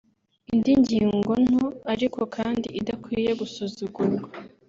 Indi ngingo nto ariko kandi idakwiye gusuzugurwa